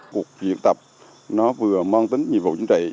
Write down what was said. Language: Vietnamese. cuộc diễn tập nó vừa mang tính nhiệm vụ chính trị